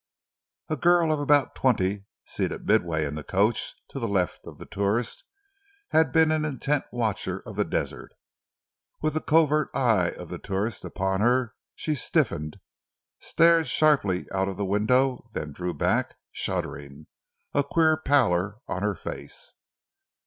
A girl of about twenty, seated midway in the coach to the left of the tourist, had been an intent watcher of the desert. With the covert eye of the tourist upon her she stiffened, stared sharply out of the window, then drew back, shuddering, a queer pallor on her face.